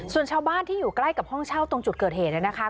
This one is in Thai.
ส่วนชาวบ้านที่อยู่ใกล้กับห้องเช่าตรงจุดเกิดเหตุเนี่ยนะคะ